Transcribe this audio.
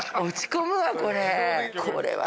落ち込むわこれ。